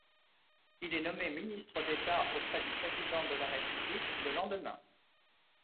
Il est nommé ministre d'État auprès du président de la République le lendemain.